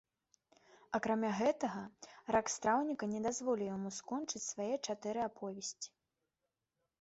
Акрамя гэтага, рак страўніка не дазволіў яму скончыць свае чатыры аповесці.